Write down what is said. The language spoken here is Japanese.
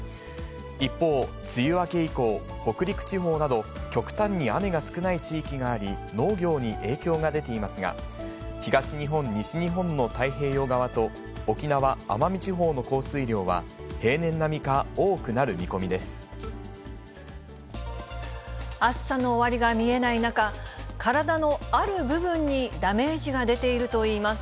一方、梅雨明け以降、北陸地方など、極端に雨が少ない地域があり、農業に影響が出ていますが、東日本、西日本の太平洋側と、沖縄・奄美地方の降水量は、暑さの終わりが見えない中、体のある部分にダメージが出ているといいます。